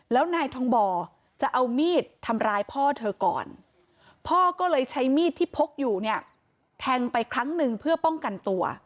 แล้วนายทองบ่อจะเอามีดทำร้ายพ่อเธอก่อนพ่อก็เลยใช้มีดที่พกอยู่เนี่ยแทงไปครั้งหนึ่งเพื่อป้องกันตัว